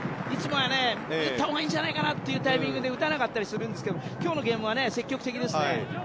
いつもは、打ったほうがいいんじゃないかというタイミングで打たなかったりするんですが今日のゲームは積極的ですね。